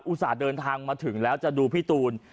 ส่าห์เดินทางมาถึงแล้วจะดูพี่ตูน